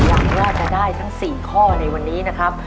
ยังว่าจะได้ทั้ง๔ข้อในวันนี้นะครับ